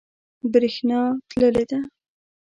بریښنا تللی ده